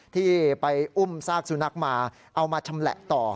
ที่ไปอุ้มซากสุนัขมาเอามาชำแหละต่อ